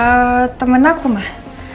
eh temen aku mah